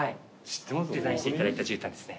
デザインしていただいたじゅうたんですね。